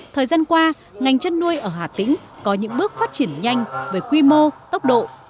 thời gian qua ngành chăn nuôi ở hà tĩnh có những bước phát triển nhanh về quy mô tốc độ